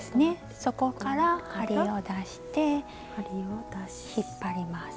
そこから針を出して引っ張ります。